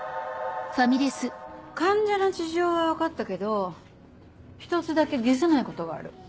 患者の事情は分かったけど１つだけ解せないことがある。